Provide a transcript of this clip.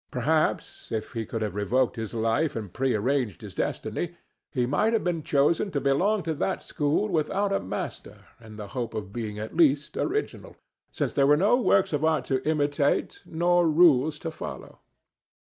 Perhaps, if he could have revoked his life and prearranged his destiny, he might have chosen to belong to that school without a master in the hope of being at least original, since there were no works of art to imitate nor rules to follow.